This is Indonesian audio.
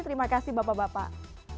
terima kasih bapak bapak